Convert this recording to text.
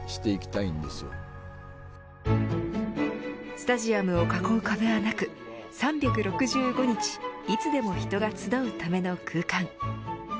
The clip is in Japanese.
スタジアムを囲う壁はなく３６５日いつでも人が集うための空間。